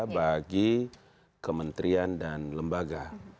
bagi kementerian dan lembaga